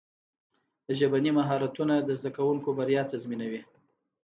ژبني مهارتونه د زدهکوونکو بریا تضمینوي.